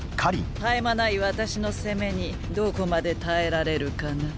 絶え間ない私の攻めにどこまで耐えられるかな。